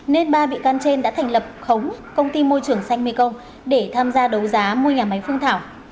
nên ba bị can trên đã thành lập khống công ty môi trường xanh mekong để tham gia đấu giá mua nhà máy phương thảo